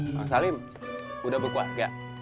mas salim udah berkeluarga